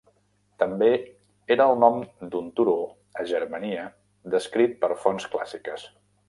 També era el nom d'un turó a Germania descrit per fonts clàssiques.